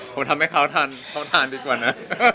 ผมทำให้ข้าวทานดีกว่าน่ะ